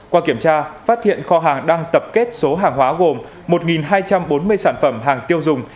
qua kiểm tra phát hiện kho hàng đang tập kết số hàng hóa gồm một hai trăm bốn mươi sản phẩm hàng tiêu dùng